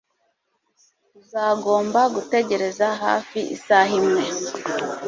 Uzagomba gutegereza hafi isaha imwe.